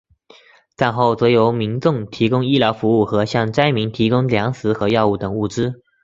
战后则向民众提供医疗服务和向灾民提供粮食和药物等物资。